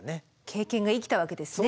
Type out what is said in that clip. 経験が生きたわけですね。